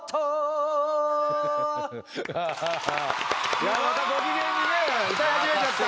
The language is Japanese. いやまたご機嫌にね歌い始めちゃった。